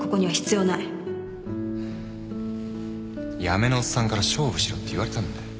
八女のおっさんから勝負しろって言われたんだよ。